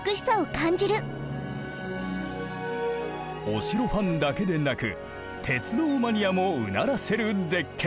お城ファンだけでなく鉄道マニアもうならせる絶景。